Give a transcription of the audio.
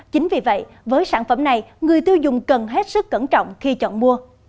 chính vì vậy với sản phẩm này người tiêu dùng cần hết sức cẩn trọng khi chọn mua